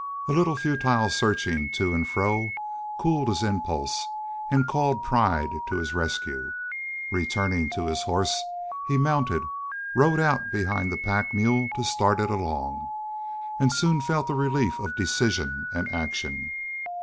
A little futile searching to and fro cooled his impulse and called pride to his rescue. Returning to his horse, he mounted, rode out behind the pack mule to start it along, and soon felt the relief of decision and action.